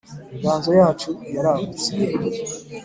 inganzo yacu ya ragutse,